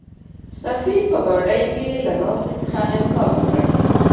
سفیر په ګاډۍ کې له ناستې څخه انکار وکړ.